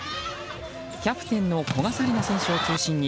キャプテンの古賀紗理那選手を中心に